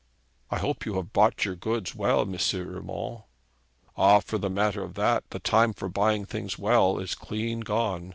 'I hope you have bought your goods well, M. Urmand.' 'Ah! for the matter of that the time for buying things well is clean gone.